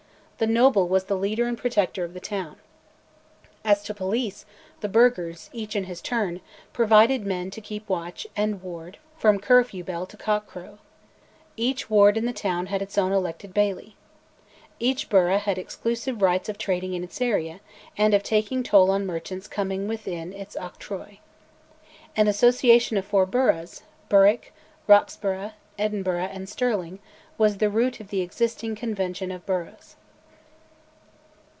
The noble was the leader and protector of the town. As to police, the burghers, each in his turn, provided men to keep watch and ward from curfew bell to cock crow. Each ward in the town had its own elected Bailie. Each burgh had exclusive rights of trading in its area, and of taking toll on merchants coming within its Octroi. An association of four burghs, Berwick, Roxburgh, Edinburgh, and Stirling, was the root of the existing "Convention of Burghs."